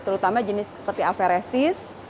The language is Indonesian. terutama jenis seperti aferesis